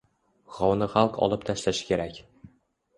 G‘ovni xalq olib tashlashi kerak.